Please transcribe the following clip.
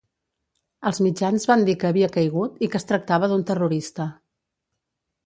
Els mitjans van dir que havia caigut i que es tractava d'un terrorista.